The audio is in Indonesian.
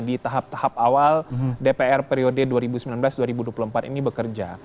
di tahap tahap awal dpr periode dua ribu sembilan belas dua ribu dua puluh empat ini bekerja